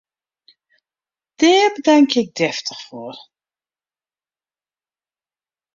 Dêr betankje ik deftich foar!